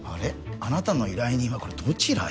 あなたの依頼人はどちらへ？